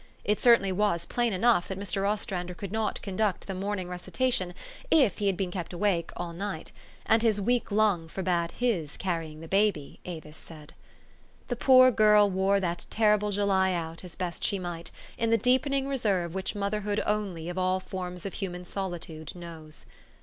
It cer tainly was plain enough that Mr. Ostrander could not conduct the morning recitation if he had been kept awake all night ; and his weak lung forbade his carrying the baby, Avis said. The poor girl wore that terrible July out as best she might, in the deepening reserve which mother hood only of all forms of human solitude knows.